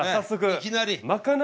いきなり。